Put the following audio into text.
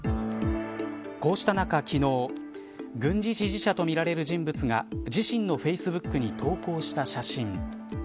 こうした中、昨日軍事支持者とみられる人物が自身のフェイスブックに投稿した写真。